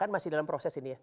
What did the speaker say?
kan masih dalam proses ini ya